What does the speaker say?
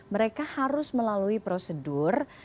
mereka harus melalui prosedur